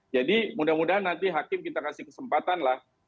jadi mudah mudahan nanti hakim kita kasih kesempatan